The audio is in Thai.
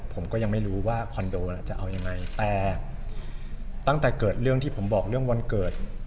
ผมก็ยังไม่รู้ว่าคอนโดจะเอายังไงแต่ตั้งแต่เกิดเรื่องที่ผมบอกเรื่องวันเกิด